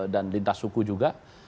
dan lintas suku juga